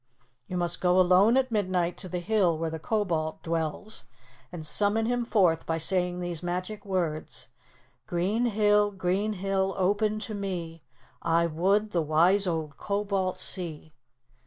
"You must go alone at midnight to the hill where the Kobold dwells, and summon him forth by saying these magic words: "Green hill, green hill, open to me. _I would the wise old Kobold see.